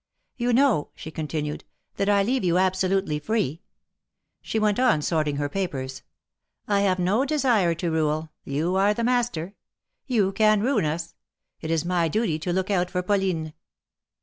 "You know," she continued, "that I leave you abso lutely free." She went on sorting her papers. "I have no desire to rule; you are the master. You can ruin us. It is my duty to look out for Pauline."